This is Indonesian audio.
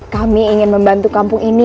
tapi si luman ulernya itu